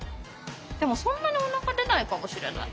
でもそんなにおなか出ないかもしれない。